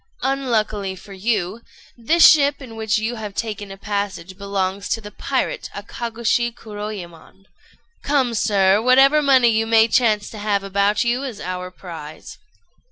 Unluckily for you, this ship in which you have taken a passage belongs to the pirate Akagôshi Kuroyémon. Come, sir! whatever money you may chance to have about you is our prize."